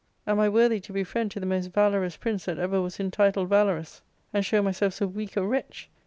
Am I worthy to be friend to the most valorous prince that ever was intituled valorous, and show myself so weak a wretch